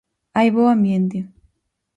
Hai bo ambiente.